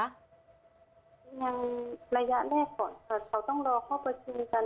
ยังระยะแรกก่อนแต่เขาต้องรอครอบครัวชื่นกัน